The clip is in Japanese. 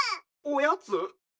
おやつ！？